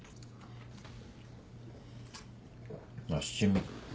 あっ七味。